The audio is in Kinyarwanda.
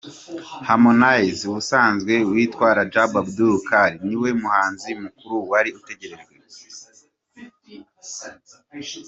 Harmonize ubusanzwe witwa Rajab Abdul Kahali, ni we muhanzi mukuru wari utegerejwe.